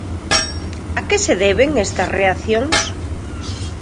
A que se deben estas reaccións?